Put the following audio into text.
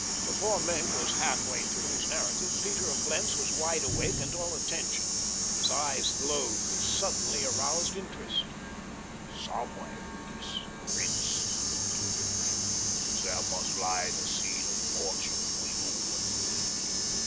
Before Maenck was half way through his narrative, Peter of Blentz was wide awake and all attention. His eyes glowed with suddenly aroused interest. "Somewhere in this, prince," concluded Maenck, "there must lie the seed of fortune for you and me."